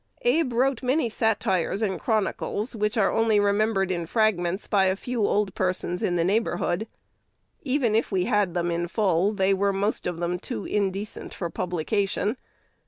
Abe wrote many "satires" and "chronicles," which are only remembered in fragments by a few old persons in the neighborhood. Even if we had them in full, they were most of them too indecent for publication.